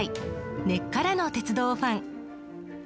根っからの鉄道ファン。